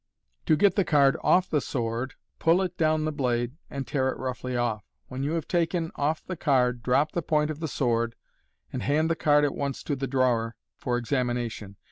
To get the card off the sword. MODERN MAGIC. 12 j pull it down the blade, and tear it roughly off. When you have taken off the card, drop the point of the sword, and hand the card at once to the drawer for examination.